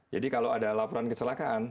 jadi kalau ada laporan kecelakaan